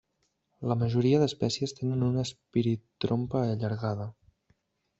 La majoria d'espècies tenen una espiritrompa allargada.